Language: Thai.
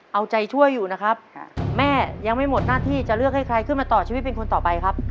เอาใจช่วยอยู่นะครับแม่ยังไม่หมดหน้าที่จะเลือกให้ใครขึ้นมาต่อชีวิตเป็นคนต่อไปครับ